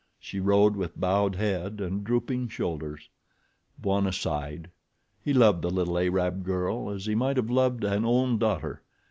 She rode with bowed head and drooping shoulders. Bwana sighed. He loved the little Arab girl as he might have loved an own daughter.